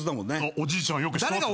おじいちゃんよく知ってますね。